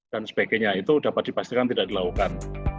dan sebagainya itu dapat dipastikan tidak dilakukan